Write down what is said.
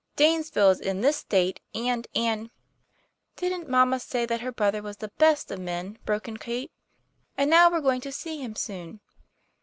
Danesville is in this State, and and "" Didn't mamma say that her brother was the best of men? " broke in Kate. " And now we're going to see him soon."